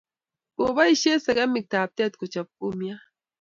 Kopaishe segemik taptet kochop kumiat